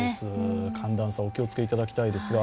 寒暖差、お気をつけいただきたいですが。